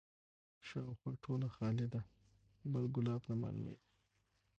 شاوخوا ټوله خالي ده بل ګلاب نه معلومیږي